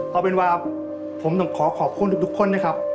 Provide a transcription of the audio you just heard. เอาเป็นว่าผมต้องขอขอบคุณทุกคนนะครับ